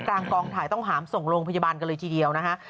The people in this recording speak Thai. กองถ่ายต้องหามส่งโรงพยาบาลกันเลยทีเดียวนะฮะ